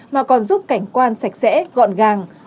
mà còn giúp cảnh quan sạch sẽ gọn gàng